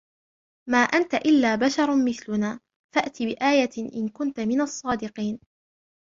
ما أنت إلا بشر مثلنا فأت بآية إن كنت من الصادقين